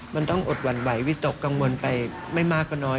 มันต้องอดหวั่นไหววิตกกังวลไปไม่มากก็น้อย